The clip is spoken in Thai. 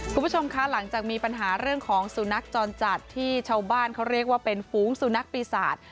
คุณผู้ชมคะหลังจากมีปัญหาเรื่องของสุนัขจรจัดที่ชาวบ้านเขาเรียกว่าเป็นฝูงสุนัขปีศาจ